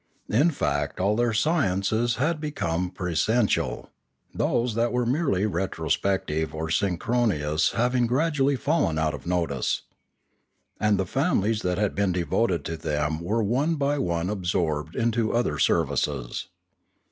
In fact all their sciences had be come presciential, those that were merely retrospective or synchronous having gradually fallen out of notice. And the families that had been devoted to them were one by one absorbed into other services.